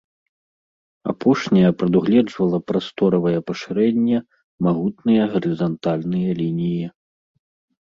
Апошняя прадугледжвала прасторавае пашырэнне, магутныя гарызантальныя лініі.